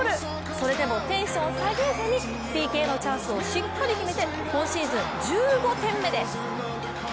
それでもテンション下げずにＰＫのチャンスをしっかり決めて今シーズン１５点目です。